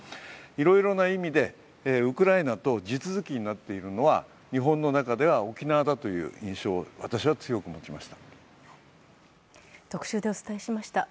いろいろな意味でウクライナと地続きになっているのは日本の中では沖縄だという印象を私は強く持ちました。